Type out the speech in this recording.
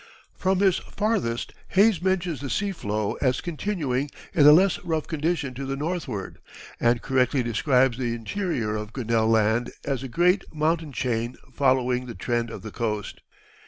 From his farthest Hayes mentions the sea floe as continuing in a less rough condition to the northward, and correctly describes the interior of Grinnell Land as a great mountain chain following the trend of the coast.